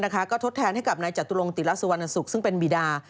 ก็ทดแทนให้กับนายจตุรงติลสุวรรณสุขซึ่งเป็นบีดา